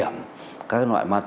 trong thời gian qua đặc điểm